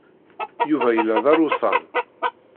Yuba yella d arusan.